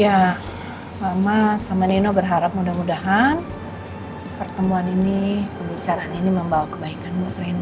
ya mama sama nino berharap mudah mudahan pertemuan ini pembicaraan ini membawa kebaikan buat rino